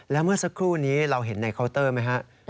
แล้วเมื่อสักครู่นี้เราเห็นในเคาน์เตอร์ไหมครับ